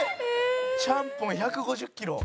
ちゃんぽん１５０キロ。